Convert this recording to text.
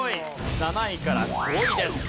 ７位から５位です。